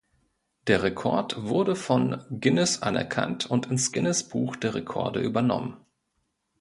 Der Rekord wurde von Guinness anerkannt und ins Guinness-Buch der Rekorde übernommen.